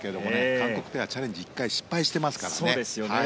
韓国ペア、チャレンジを１回、失敗していますからね。